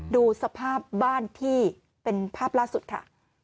ดูสภาพบ้านที่เป็นภาพล่าสุดค่ะ